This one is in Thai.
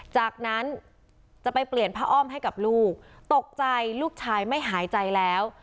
จากนั้นจะไปเปลี่ยนผ้าอ้อมให้กับลูกตกใจลูกชายไม่หายใจแล้ว